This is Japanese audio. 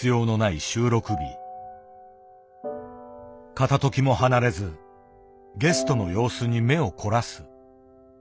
片ときも離れずゲストの様子に目を凝らす。